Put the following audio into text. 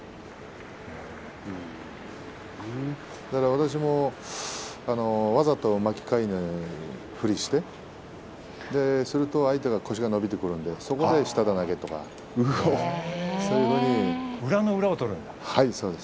私もわざと巻き替えのふりをしてすると相手が腰が伸びてくるんでそこで下手投げとかそういうふうに。